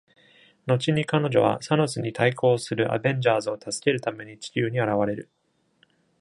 後に彼女はサノスに対抗するアベンジャーズを助けるために地球に現れる。